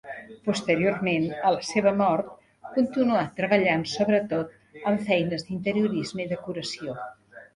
Posteriorment a la seva mort continuà treballant sobretot en feines d'interiorisme i decoració.